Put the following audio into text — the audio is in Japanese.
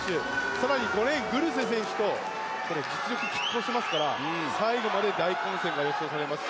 更に５レーン、グルセ選手と実力がきっ抗していますから最後まで大混戦が予想されます。